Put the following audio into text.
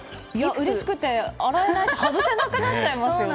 うれしくて外せなくなっちゃいますよね。